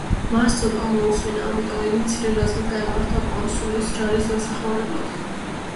მას ცოტამ მოუსმინა, ამიტომ იგი მცირე რაზმით გაემართა კონსულის ჯარის დასახმარებლად.